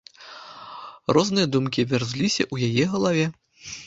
Розныя думкі вярзліся ў яе галаве.